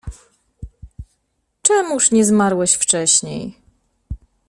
Czemuż nie zmarłeś wcześniej?